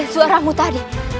dan suaramu tadi